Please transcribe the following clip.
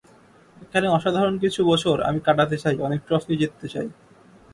এখানে অসাধারণ কিছু বছর আমি কাটাতে চাই, অনেক ট্রফি জিততে চাই।